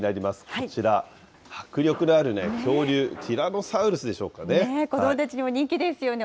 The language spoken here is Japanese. こちら、迫力のある恐竜、ティラ子どもたちにも人気ですよね。